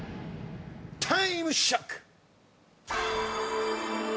タイムショック！